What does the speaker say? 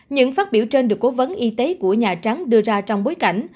những phát biểu trên được cố vấn y tế của nhà trắng đưa ra trong bối cảnh